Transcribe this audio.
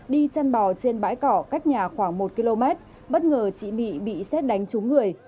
đi chăn bò trên bãi cỏ cách nhà khoảng một km bất ngờ chị mị bị xét đánh trúng người